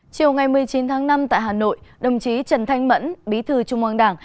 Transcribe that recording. chiều ngày một mươi chín tháng năm tại hà nội đồng chí trần thanh mẫn bí thư trung mong đảng